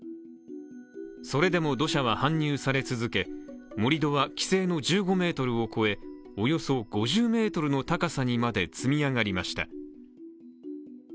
それでも土砂は搬入され続け盛り土は規制の１５ｍを超え、およそ５０ｍの高さにまで積み上がりました。